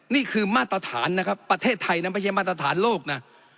นี่คือมาตรฐานนะครับประเทศไทยนั้นไม่ใช่มาตรฐานโลกนะ